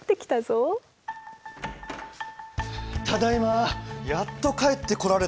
ただいまやっと帰ってこられたよ。